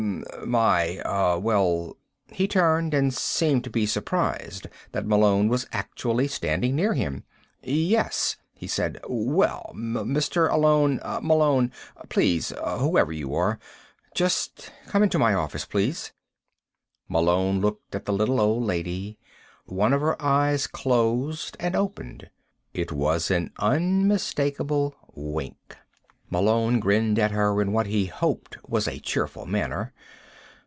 "Hm m m. My. Well." He turned and seemed to be surprised that Malone was actually standing near him. "Yes," he said. "Well. Mr. Alone ... Malone ... please, whoever you are, just come into my office, please?" Malone looked at the little old lady. One of her eyes closed and opened. It was an unmistakable wink. Malone grinned at her in what he hoped was a cheerful manner.